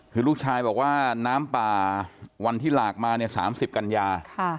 คือลูกชายบอกว่าน้ำป่าวันที่หลากมาเนี่ย๓๐กันยา